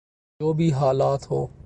جو بھی حالات ہوں۔